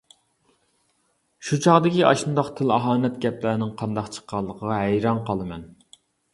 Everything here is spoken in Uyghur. شۇ چاغدىكى ئاشۇنداق تىل-ئاھانەت، گەپلەرنىڭ قانداق چىققانلىقىغا ھەيران قالىمەن.